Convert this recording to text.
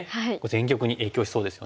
全局に影響しそうですよね。